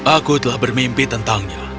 aku telah bermimpi tentangnya